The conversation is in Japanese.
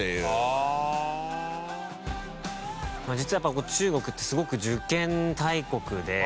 実はやっぱ中国ってすごく受験大国で。